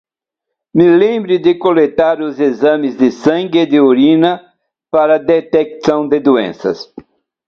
Me lembre de coletar os exames de sangue e urina para detecção de doenças